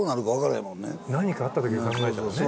何かあった時を考えたらね。